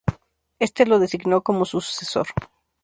Este lo designó como su sucesor.